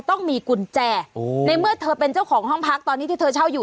ต้องมีกุญแจในเมื่อเธอเป็นเจ้าของห้องพักตอนนี้ที่เธอเช่าอยู่